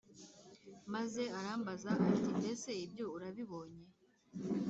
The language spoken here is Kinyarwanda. Maze arambaza ati Mbese ibyo urabibonye